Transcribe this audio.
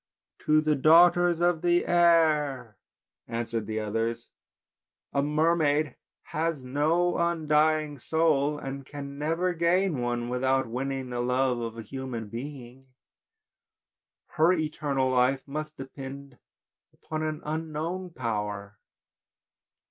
"To the daughters of the air!" answered the others, "a mermaid has no undying soul, and can never gain one without wanning the love of a human being. Her eternal life must depend upon an unknown power.